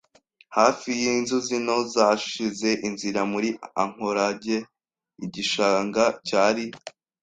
hafi yinzuzi nto zashize inzira muri ankorage. Igishanga cyari